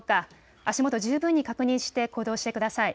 足元、十分に確認して行動してください。